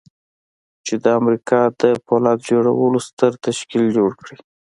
چې د امريکا د پولاد جوړولو ستر تشکيل جوړ کړي.